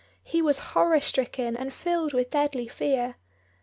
He was horror stricken and filled with deadly fear.